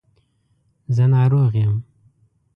زه ناروغ یم